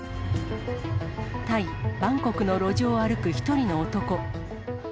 タイ・バンコクの路上を歩く１人の男。